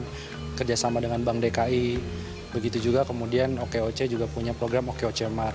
dan kerjasama dengan bank dki begitu juga kemudian oke oce juga punya program oke oce mart